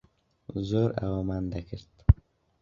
زۆر ئەوەمان دەکرد.